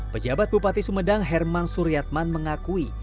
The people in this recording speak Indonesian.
pejabat bupati sumedang herman suryatman mengakui